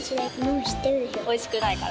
おいしくないから？